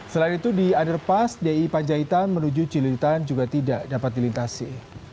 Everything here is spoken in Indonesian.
selain itu di underpass di panjaitan menuju cililitan juga tidak dapat dilintasi